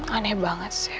aneh banget sih